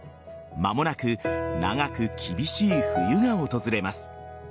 間もなく長く厳しい冬が訪れます。